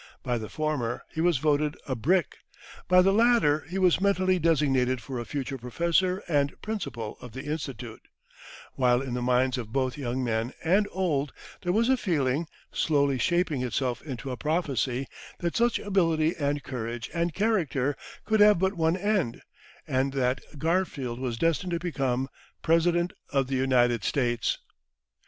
By the former he was voted "a brick," by the latter he was mentally designated for a future professor and principal of the Institute; while in the minds of both young men and old there was a feeling, slowly shaping itself into a prophecy, that such ability and courage and character could have but one end, and that Garfield was destined to become President of the United States.